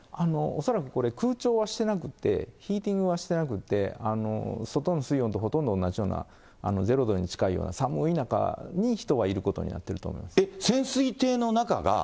恐らくこれ、空調はそれをしてなくて、ヒーティングはしてなくて、水温とほとんど同じような、０度に近いような、寒い中に人がいることになっていると思います。